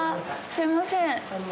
すいません。